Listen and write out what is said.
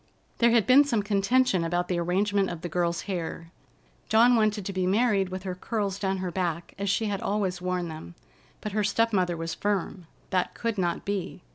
There had been some contention about the arrangement of the girl's hair. Dawn wanted to be married with her curls down her back, as she had always worn them, but her step mother was firm. That could not be.